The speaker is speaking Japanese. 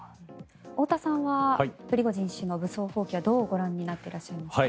太田さんはプリゴジン氏の武装蜂起はどうご覧になっていらっしゃいますか。